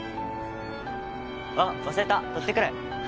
あっ忘れた取ってくる！